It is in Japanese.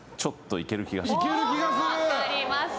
いける気がする！